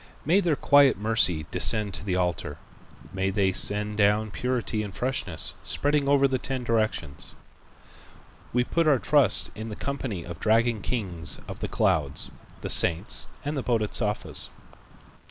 May their quiet mercy descend to the altar; may they send down purity and freshness, spreading over the ten directions. We put our trust in the company of dragon kings of the clouds, the saints and the Bodhisattvas."